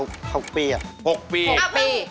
ก็แปลว่าเพิ่งมาได้๖ปีเนอะ